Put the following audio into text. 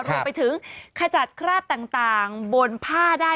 รวมไปถึงขจัดคราบต่างบนผ้าได้